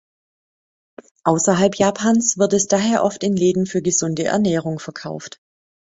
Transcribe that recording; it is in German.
Außerhalb Japans wird es daher oft in Läden für gesunde Ernährung verkauft.